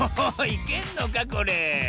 いけんのかこれ？